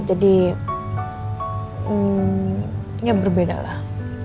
jadi ya berbeda lah